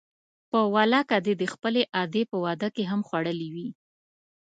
په والله که دې د خپلې ادې په واده کې هم خوړلي وي.